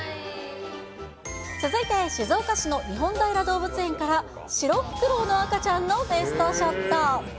続いて静岡市の日本平動物園から、シロフクロウの赤ちゃんのベストショット。